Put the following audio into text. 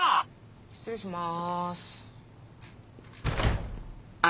失礼します。